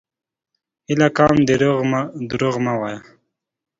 هيله کوم دروغ مه وايه!